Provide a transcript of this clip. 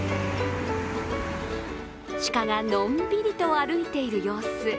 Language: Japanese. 鹿がのんびりと歩いている様子。